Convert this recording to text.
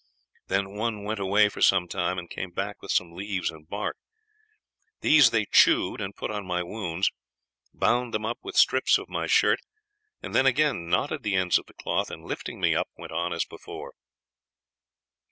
Then one went away for some time, and came back with some leaves and bark. These they chewed and put on my wounds, bound them up with strips of my shirt, and then again knotted the ends of the cloth, and lifting me up, went on as before.